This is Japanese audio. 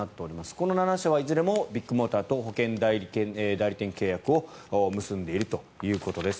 この７社はいずれもビッグモーターと保険代理店契約を結んでいるということです。